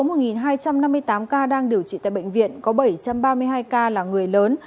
trong một hai trăm năm mươi tám ca đang điều trị tại bệnh viện có bảy trăm ba mươi hai ca là người lớn